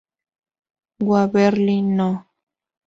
Waverly No.